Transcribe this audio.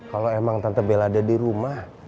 kalau emang tante bela ada di rumah